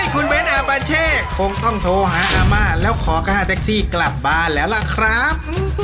คงต้องโทรหาอามาแล้วขอค่าเท็กซี่กลับบ้านแล้วล่ะครับ